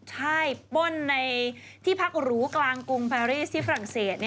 ใช่ป้นในที่พักหรูกลางกรุงแพรรี่ที่ฝรั่งเศส